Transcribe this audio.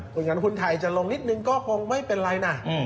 เพราะฉะนั้นหุ้นไทยจะลงนิดนึงก็คงไม่เป็นไรนะ